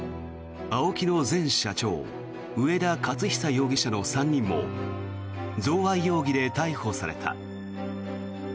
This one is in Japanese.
ＡＯＫＩの前社長上田雄久容疑者の３人も贈賄容疑で逮捕された。